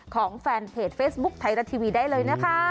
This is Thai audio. ของแฟนเพจเฟซบุ๊คไทยรัฐทีวีได้เลยนะคะ